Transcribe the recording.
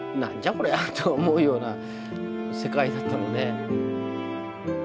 これは」と思うような世界だったので。